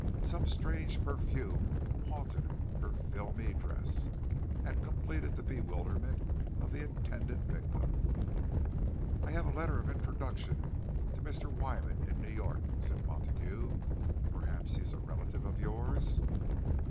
Some strange perfume haunted the filmy dress, and completed the bewilderment of the intended victim. "I have a letter of introduction to a Mr. Wyman in New York," said Montague. "Perhaps he is a relative of yours."